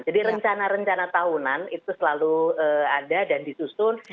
jadi rencana rencana tahunan itu selalu ada dan disusun